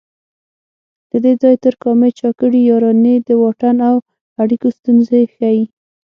له دې ځای تر کامې چا کړي یارانې د واټن او اړیکو ستونزې ښيي